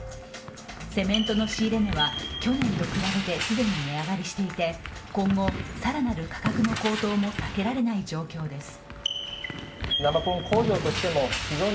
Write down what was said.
セメントの仕入れ値は去年と比べて既に値上がりしていて今後、更なる価格の高騰も避けられない状況です。